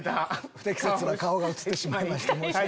不適切な顔が映ってしまいました。